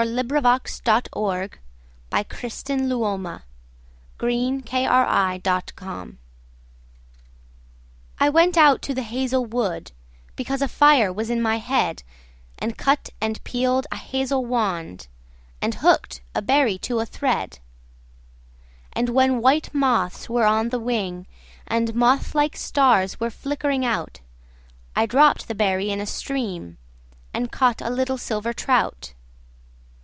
The Wind Among the Reeds. 1899. 9. The Song of Wandering Aengus I WENT out to the hazel wood, Because a fire was in my head, And cut and peeled a hazel wand, And hooked a berry to a thread; And when white moths were on the wing, And moth like stars were flickering out,I dropped the berry in a streamAnd caught a little silver trout.